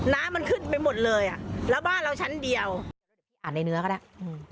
น้ำมันขึ้นไปหมดเลยอ่ะแล้วบ้านเราชั้นเดียวอ่านในเนื้อก็ได้อืม